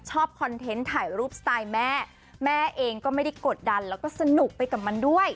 คอนเทนต์ถ่ายรูปสไตล์แม่แม่เองก็ไม่ได้กดดันแล้วก็สนุกไปกับมันด้วย